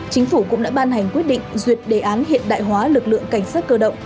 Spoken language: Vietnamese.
chính phủ cũng đã ban hành quyết định duyệt đề án hiện đại hóa lực lượng cảnh sát cơ động